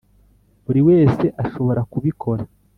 buri wese ashobora kubikora